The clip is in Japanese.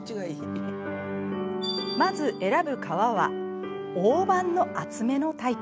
まず選ぶ皮は大判の厚めのタイプ。